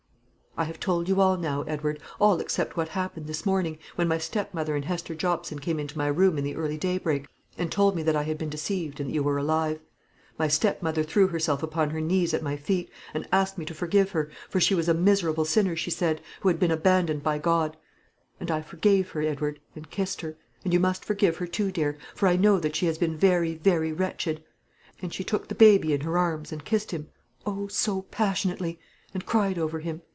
"I have told you all now, Edward, all except what happened this morning, when my stepmother and Hester Jobson came into my room in the early daybreak, and told me that I had been deceived, and that you were alive. My stepmother threw herself upon her knees at my feet, and asked me to forgive her, for she was a miserable sinner, she said, who had been abandoned by God; and I forgave her, Edward, and kissed her; and you must forgive her too, dear, for I know that she has been very, very wretched. And she took the baby in her arms, and kissed him, oh, so passionately! and cried over him.